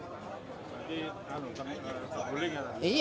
tadi guling ya